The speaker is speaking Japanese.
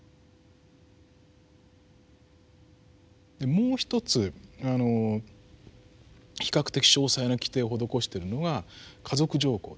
もうひとつあの比較的詳細な規定を施してるのが家族条項ですね。